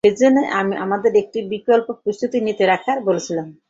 সেজন্যই আমি আমাদের একটি বিকল্প প্রস্তুতি নিয়ে রাখতে বলেছিলাম।